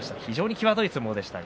際どい相撲でした。